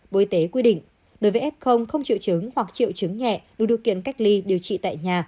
bộ y tế quy định đối với f không triệu chứng hoặc triệu chứng nhẹ đủ điều kiện cách ly điều trị tại nhà